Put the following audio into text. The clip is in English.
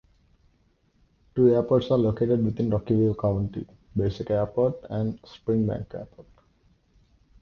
Two airports are located within Rocky View County - Beiseker Airport and Springbank Airport.